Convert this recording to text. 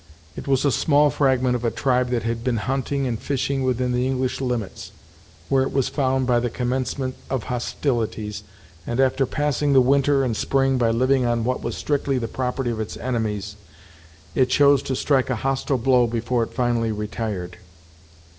It was a small fragment of a tribe that had been hunting and fishing within the English limits, where it was found by the commencement of hostilities, and, after passing the winter and spring by living on what was strictly the property of its enemies, it chose to strike a hostile blow before it finally retired.